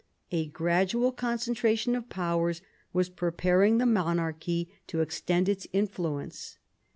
A gradual concentration of powers was preparing the monarchy to extend its influence.